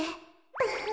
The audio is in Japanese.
ウフフ。